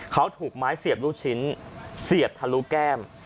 เขาถูกไม้เสียบลูกชิ้นเสียบทะลุแก้ม